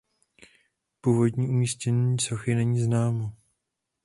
Původní umístění sochy není známo.